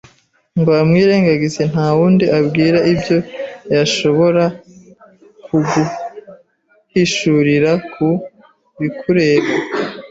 ngo amwirengagize. Nta wundi abwira ibyo yashobora kuguhishurira ku bikureba.